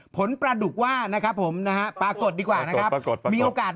เป็นยังว่ามีโอกาส